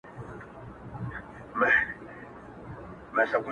• غوړه مال چي چا تر څنګ دی درولی,